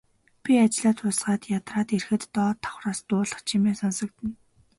Би ажлаа дуусгаад ядраад ирэхэд доод давхраас дуулах чимээ сонсогдоно.